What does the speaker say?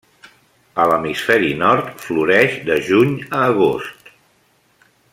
A l'hemisferi nord floreix de juny a agost.